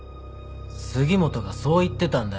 杉本がそう言ってたんだよ。